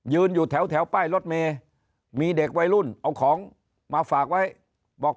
อยู่แถวป้ายรถเมย์มีเด็กวัยรุ่นเอาของมาฝากไว้บอก